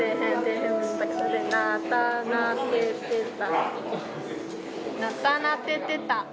な・た・な・て・て・た。